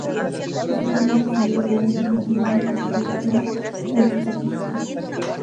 Este último ha recibido premios internacionales por su producción electroacústica.